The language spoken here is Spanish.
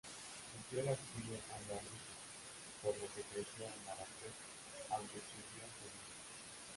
Sufrió el exilio andalusí, por lo que creció en Marrakech, aunque estudió en Sevilla.